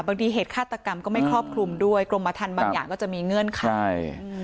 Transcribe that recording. บางทีเหตุฆ่าตกรรมก็ไม่ครอบคลุมด้วยกรมอธันต์บางอย่างก็จะมีเงื่อนไข